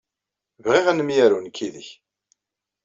Bɣiɣ ad nemyaru nekk yid-s.